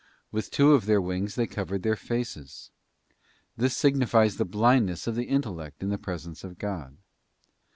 With two of their wings they covered their faces; this signifies the blindness of the intellect in the presence of God.